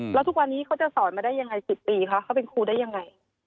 แล้วทุกวันนี้เขาจะสอนมาได้ยังไง๑๐ปีคะเขาเป็นครูได้ยังไง